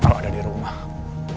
udah gak ada yang dateng ini